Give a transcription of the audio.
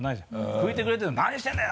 拭いてくれてるのに「何してるんだよ！」